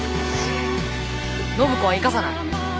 暢子は行かさない。